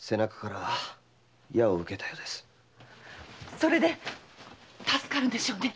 それで⁉助かるんでしょうね